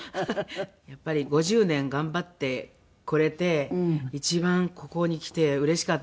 やっぱり５０年頑張ってこれて一番ここにきてうれしかったですね。